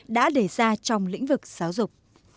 đã để ra trong lĩnh vực